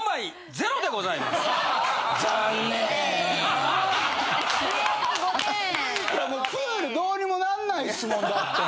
いやもうプールどうにもなんないっすもんだって。